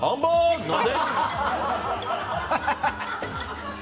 何で？